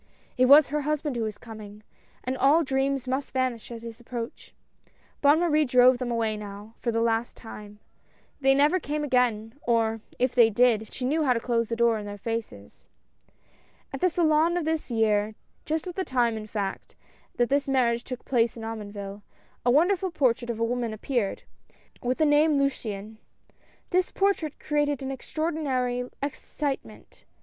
It was her husband who was coming — and all dreams must vanish at his approach. Bonne Marie drove them away now for the last time. They never came again, or, if they did, she knew how to close the door in their faces. At the Salon of this year, just at the time in fact, that this marriage took place at Omonville, a wonder ful portrait of a woman appeared, with thq name Luciane. This portrait created an extraordinary ex citement.